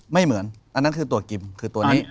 ไม่เหมือนอันนั้นคือตัวกิมคือตัวนี้